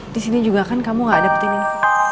di sini juga kan kamu gak dapetin ini